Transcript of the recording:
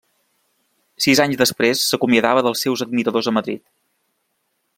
Sis anys després, s'acomiadava dels seus admiradors a Madrid.